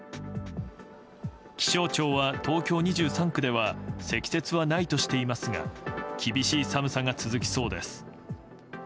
気象庁は東京２３区では積雪はないとしていますが厳しい寒さが続きそうです。